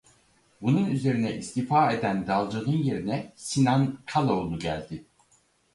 Bunun üzerine istifa eden Dalcı'nın yerine Sinan Kaloğlu geldi.